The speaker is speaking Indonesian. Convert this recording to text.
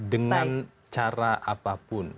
dengan cara apapun